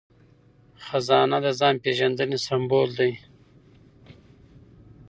خزانه د ځان پیژندنې سمبول دی.